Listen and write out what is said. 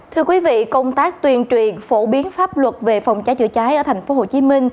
thưa quý vị công tác tuyên truyền phổ biến pháp luật về phòng cháy chữa cháy ở tp hcm